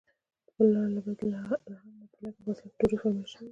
پر لاره له بیت لحم نه په لږه فاصله کې ډوډۍ فرمایش شوی و.